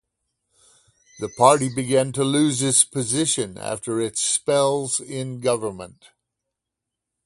The party began to lose its position after its spells in government.